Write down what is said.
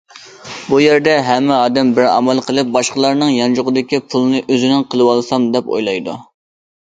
بۇ يەردە ھەممە ئادەم بىر ئامال قىلىپ باشقىلارنىڭ يانچۇقىدىكى پۇلنى ئۆزىنىڭ قىلىۋالسام دەپ ئويلايدۇ.